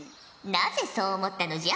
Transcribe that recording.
なぜそう思ったのじゃ？